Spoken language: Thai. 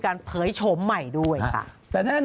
ถ่ายหลัง